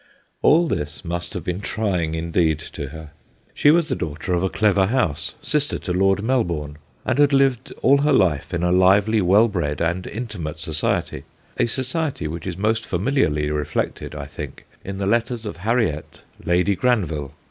All this must have been trying indeed to her. She was the daughter of a clever house sister to Lord Melbourne and had lived all her life in a lively, well bred, and intimate society, a society which is most familiarly reflected, I think, in the letters of Harriet, Lady Gran ville.